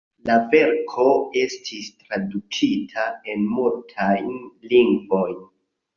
La verko estis tradukita en multajn lingvojn.